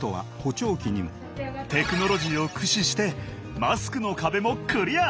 テクノロジーを駆使してマスクの壁もクリア！